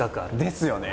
ですよね。